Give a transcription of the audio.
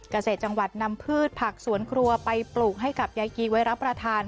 เกษตรจังหวัดนำพืชผักสวนครัวไปปลูกให้กับยายกีไว้รับประทาน